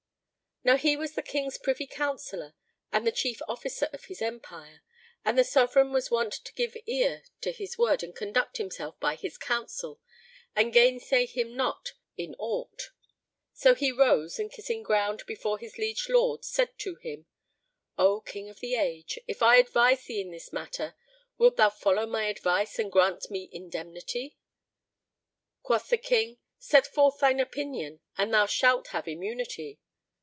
Now he was the King's privy Councillor and the Chief Officer of his empire, and the Sovran was wont to give ear to his word and conduct himself by his counsel and gainsay him not in aught. So he rose and kissing ground before his liege lord, said to him, "O King of the Age, if I advise thee in this matter, wilt thou follow my advice and grant me indemnity?" Quoth the King, "Set forth thine opinion, and thou shalt have immunity."